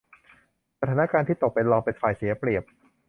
สถานการณ์ที่ตกเป็นรองเป็นฝ่ายเสียเปรียบ